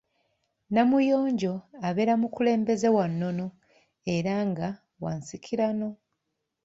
Namuyonjo abeera mukulembeze wa nnono era nga wa nsikirano.